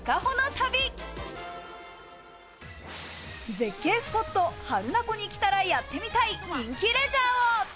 絶景スポット、榛名湖に来たらやってみたい人気レジャーを。